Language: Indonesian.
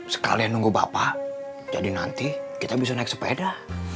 sekalian nunggu bapak jadi nanti kita bisa naik sepeda